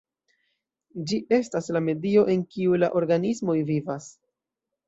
Ĝi estas la medio en kiu la organismoj vivas.